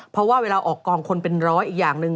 เพราะว่าเวลาออกกองคนเป็นร้อยอีกอย่างหนึ่ง